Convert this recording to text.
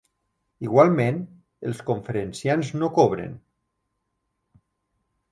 igualment, els conferenciants no cobren.